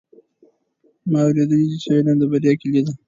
ما اورېدلي چې علم د بریا کیلي ده.